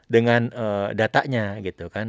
dengan datanya gitu kan